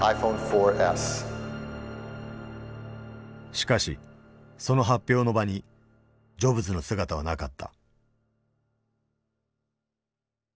しかしその発表の場にジョブズの姿はなかった。